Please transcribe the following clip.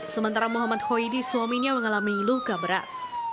sementara muhammad hoidi suaminya mengalami luka berat